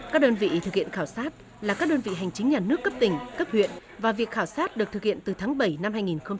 các đơn vị thực hiện khảo sát là các đơn vị hành chính nhà nước cấp tỉnh cấp huyện và việc khảo sát được thực hiện từ tháng bảy năm hai nghìn một mươi chín